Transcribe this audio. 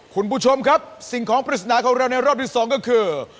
คุณผู้ชมครับสิ่งของปริศนาของเราในรอบที่สองก็คือ